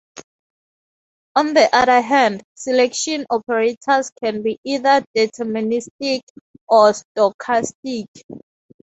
On the other hand, selection operators can be either deterministic, or stochastic.